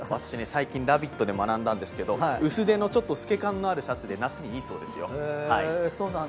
最近「ラヴィット！」で学んだんですけど薄手の透け感のあるシャツで夏にいいそうですよ。